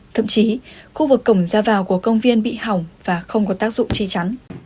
thậm chí khu vực cổng ra vào của công viên bị hỏng và không có tác dụng che chắn